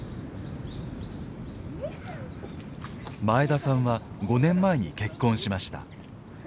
前田さんは５年前に結婚しました。